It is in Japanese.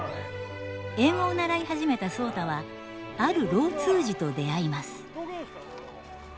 英語を習い始めた壮多はある老通詞と出会います。